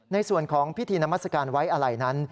ในส่วนของพิธีนามัศกาลไว้อะไรนั้น